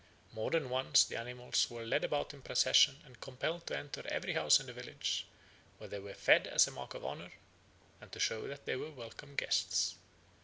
More than once the animals were led about in procession and compelled to enter every house in the village, where they were fed as a mark of honour, and to show that they were welcome guests.